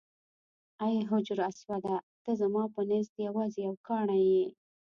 ای حجر اسوده ته زما په نزد یوازې یو کاڼی یې.